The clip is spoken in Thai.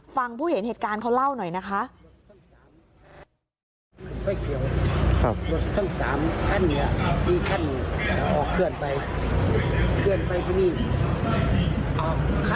ฟังผู้เห็นเหตุการณ์เขาเล่าหน่อยนะคะ